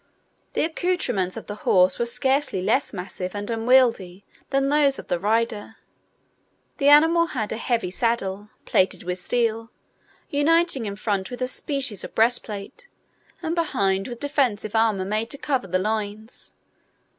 The accoutrements of the horse were scarcely less massive and unwieldy than those of the rider. The animal had a heavy saddle plated with steel, uniting in front with a species of breastplate, and behind with defensive armour made to cover the loins.